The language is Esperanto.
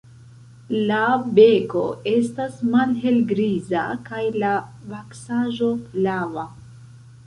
La beko estas malhelgriza kaj la vaksaĵo flava.